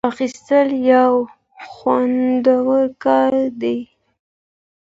غچ اخیستل یو خوندور کار دی.